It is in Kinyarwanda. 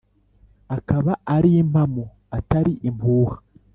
akaba ari impamo atari impuha